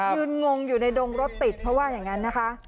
งงอยู่ในดงรถติดเขาว่าอย่างนั้นนะคะ